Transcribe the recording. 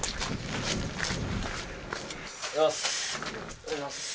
おはようございます。